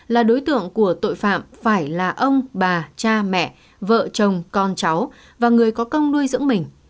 là đối tượng của tội phạm phải là ông bà cha mẹ vợ chồng con cháu và người có công nuôi dưỡng mình